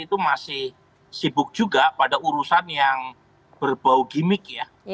itu masih sibuk juga pada urusan yang berbau gimmick ya